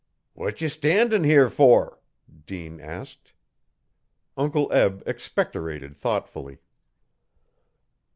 'What ye standin' here for?' Dean asked. Uncle Eb expectorated thoughtfully.